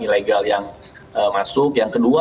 ilegal yang masuk yang kedua